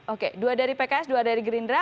oke dua dari pks dua dari gerindra